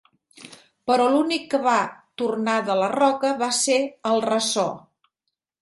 Però l'únic que va tornar de la roca va ser el ressò.